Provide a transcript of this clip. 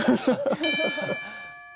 ハハハハ。